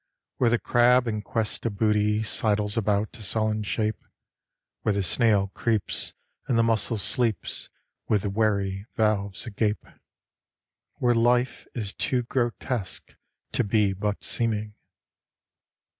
Where the crab in quest of booty sidles about, a sullen shape, Where the snail creeps and the mussel sleeps with wary valves agape, Where life is too grotesque to be but seeming.